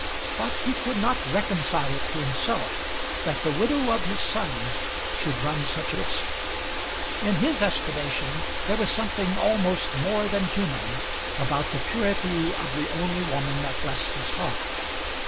But he could not reconcile it to himself that the widow of his son should run such risk. In his estimation there was something almost more than human about the purity of the only woman that blessed his hearth.